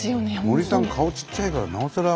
森さん顔ちっちゃいからなおさら。